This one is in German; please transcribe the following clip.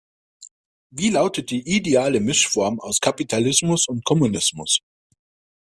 Wie lautet die ideale Mischform aus Kapitalismus und Kommunismus?